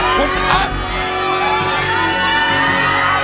คุณร้องได้ไงล่ะ